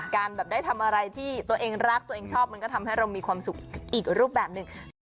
การแบบได้ทำอะไรที่ตัวเองรักตัวเองชอบมันก็ทำให้เรามีความสุขอีกรูปแบบหนึ่ง